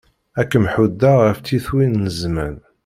Ad kem-ḥuddeɣ ɣef tyitwin n zzman.